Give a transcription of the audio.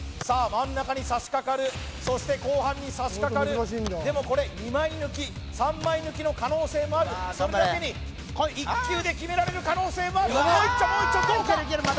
真ん中にさしかかるそして後半にさしかかるでもこれ２枚抜き３枚抜きの可能性もあるそれだけに１球で決められる可能性もあるもう一丁もう一丁どうか？